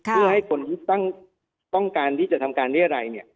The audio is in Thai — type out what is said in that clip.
เพื่อให้คนที่ตั้งต้องการที่จะทำการเรียกอะไรเนี่ย